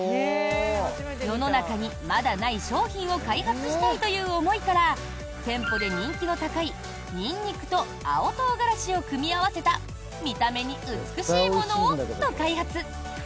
世の中にまだない商品を開発したいという思いから店舗で人気の高いニンニクと青トウガラシを組み合わせた見た目に美しいものをと開発。